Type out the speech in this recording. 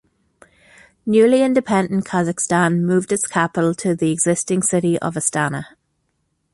Newly-independent Kazakhstan moved its capital to the existing city of Astana.